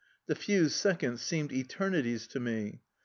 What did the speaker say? The few seconds seemed eternities to me.